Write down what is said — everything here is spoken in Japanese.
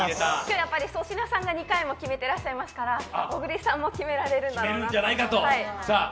やっぱり粗品さんが２回も決めてらっしゃいますから小栗さんも決められるだろうなと。